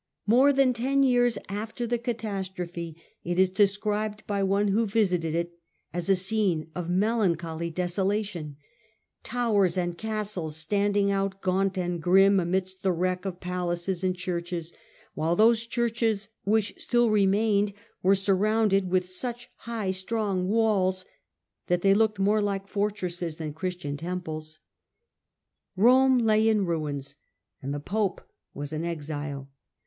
More than ten years after the catastrophe, it is described by one who visited it as a scene of melancholy desolation; towers and castles, standing out gaunt and grim amidst the wreck of palaces and churches; while those churches which still remained were surrounded with such high, strong walls that they looked more like fortresses than Christian temples. Rome lay in ruins, and the pope was in exile.